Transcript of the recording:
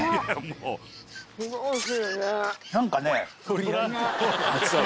何かね。